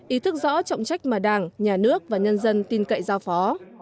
ý thức rõ trọng trách mà đảng nhà nước và nhân dân tin cậy giao phó